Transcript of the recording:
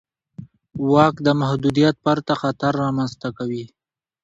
واک د محدودیت پرته خطر رامنځته کوي.